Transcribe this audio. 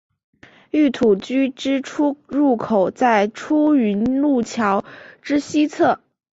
御土居之出入口在出云路桥之西侧。